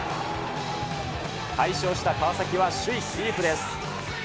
快勝した川崎は首位キープです。